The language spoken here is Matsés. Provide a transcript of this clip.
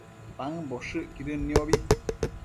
paëmboshëcquidën niobi